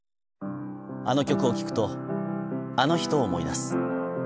あの曲を聴くと、あの人を思い出す。